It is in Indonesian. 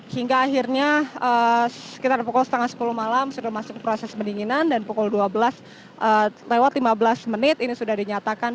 hingga akhirnya sekitar pukul setengah sepuluh malam sudah masuk proses pendinginan dan pukul dua belas lewat lima belas menit ini sudah dinyatakan